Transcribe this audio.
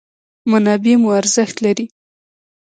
منابع مو ارزښت لري.